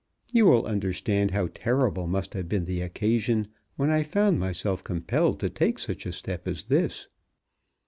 You will understand how terrible must have been the occasion when I found myself compelled to take such a step as this.